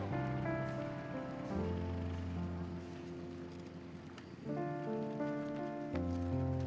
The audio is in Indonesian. kak risa pusing kak